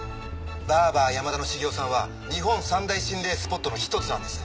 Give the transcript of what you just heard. バーバー山田の茂夫さんは日本三大心霊スポットの一つなんです。